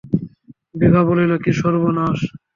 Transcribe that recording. বিভা বলিল, কী সর্বনাশ।